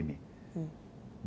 dalam sikap kemandirian kita